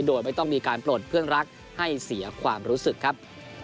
โดยไม่ต้องมีการปลดเพื่อนรักให้เสียความรู้สึกครับ